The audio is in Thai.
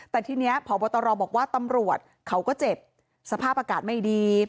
แต่ทีนี้พบตรบอกว่าตำรวจเขาก็เจ็บสภาพอากาศไม่ดี